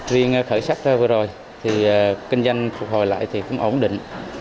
riêng khởi sát vừa rồi kinh doanh phục hồi lại cũng ổn định